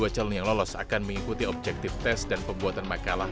satu ratus sembilan puluh dua calon yang lolos akan mengikuti objektif tes dan pembuatan makalah